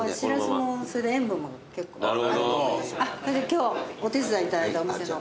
今日お手伝いいただいたお店の。